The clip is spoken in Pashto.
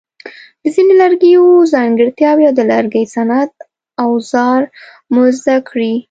د ځینو لرګیو ځانګړتیاوې او د لرګي صنعت اوزار مو زده کړي.